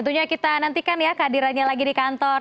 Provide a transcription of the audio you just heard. nantikan ya kehadirannya lagi di kantor